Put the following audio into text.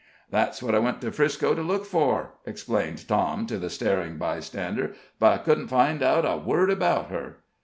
"That's what I went to 'Frisco to look for," explained Tom, to the staring bystander, "but I couldn't find out a word about her."